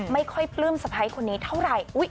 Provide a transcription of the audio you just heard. ไม่ค่อยปลื้มสะพ้ายคนนี้เท่าไหร่